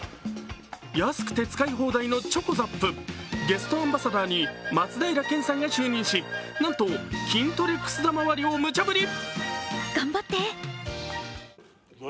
安くて使い放題のＣｈｏｃｏＺＡＰゲストアンバサダーに松平健さんが就任しなんと、筋トレくす玉割りをむちゃぶり。